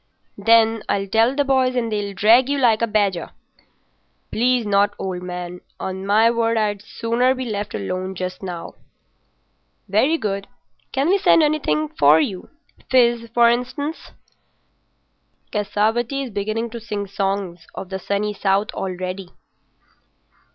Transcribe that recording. "Then, I'll tell the boys and they'll drag you like a badger." "Please not, old man. On my word, I'd sooner be left alone just now." "Very good. Can we send anything in to you? Fizz, for instance. Cassavetti is beginning to sing songs of the Sunny South already."